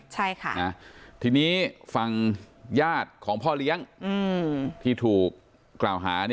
ใช่ค่ะทีนี้ฝั่งญาติของพ่อเลี้ยงที่ถูกกล่าวหา